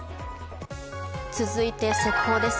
続いて、速報です。